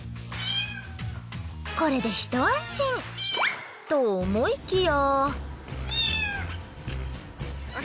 これでひと安心と思いきや。